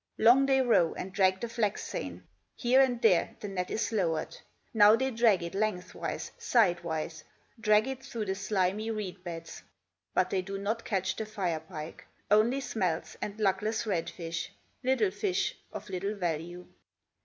Long they row and drag the flax seine, Here and there the net is lowered; Now they drag it lengthwise, sidewise, Drag it through the slimy reed beds; But they do not catch the Fire pike, Only smelts, and luckless red fish, Little fish of little value.